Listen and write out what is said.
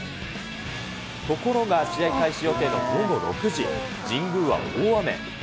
ところが試合開始予定の午後６時、神宮は大雨。